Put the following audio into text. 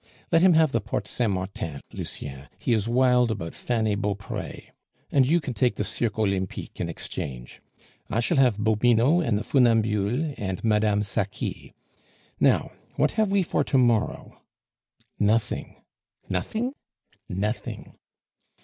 Let him have the Porte Saint Martin, Lucien, he is wild about Fanny Beaupre; and you can take the Cirque Olympique in exchange. I shall have Bobino and the Funambules and Madame Saqui. Now, what have we for to morrow?" "Nothing." "Nothing?" "Nothing."